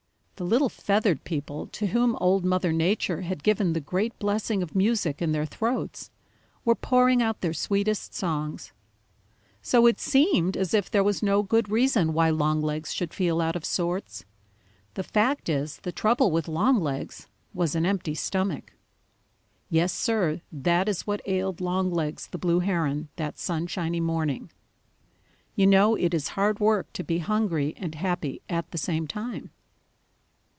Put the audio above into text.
The little feathered people to whom Old Mother Nature has given the great blessing of music in their throats were pouring out their sweetest songs. So it seemed as if there was no good reason why Longlegs should feel out of sorts. The fact is the trouble with Longlegs was an empty stomach. Yes, Sir, that is what ailed Longlegs the Blue Heron that sunshiny morning. You know it is hard work to be hungry and happy at the same time.